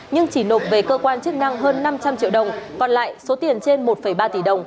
nhưng chỉ nộp về cơ quan chức năng hơn năm trăm linh triệu đồng còn lại số tiền trên một ba tỷ đồng